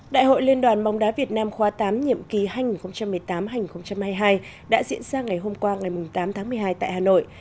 đại hội liên đoàn bóng đá việt nam khóa tám nhiệm kỳ hai nghìn một mươi tám hai nghìn hai mươi hai đã diễn ra ngày hôm qua ngày tám tháng một mươi hai tại hà nội